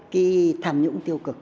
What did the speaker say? cái tham nhũng tiêu cực